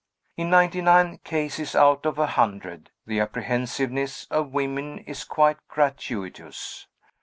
In ninety nine cases out of a hundred, the apprehensiveness of women is quite gratuitous.